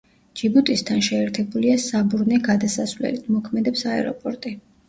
ჯიბუტისთან შეერთებულია საბორნე გადასასვლელით, მოქმედებს აეროპორტი.